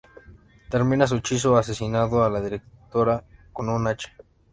Termina su hechizo asesinando a la directora con un hacha.